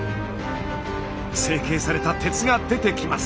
成形された鉄が出てきます。